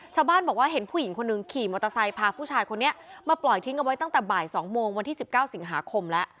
ชาวบ้านบอกว่าเห็นผู้หญิงคนหนึ่งขี่มอเตอร์ไซค์พาผู้ชายคนนี้มาปล่อยทิ้งเอาไว้ตั้งแต่บ่าย๒โมงวันที่๑๙สิงหาคมแล้ว